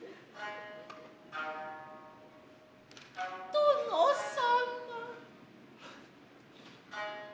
殿様。